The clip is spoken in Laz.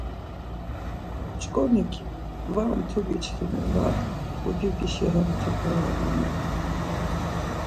Mç̌ǩonik, Var mtugi çkimi var, udidişi hentere renan ya.